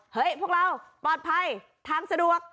พวกเราปลอดภัยทางสะดวก